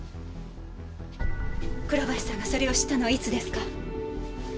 倉林さんがそれを知ったのはいつですか？